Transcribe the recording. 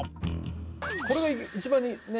これが一番ね